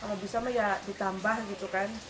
kalau bisa mah ya ditambah gitu kan